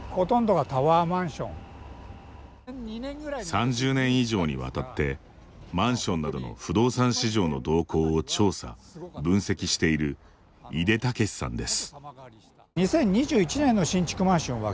３０年以上に渡ってマンションなどの不動産市場の動向を調査分析している井出武さんです。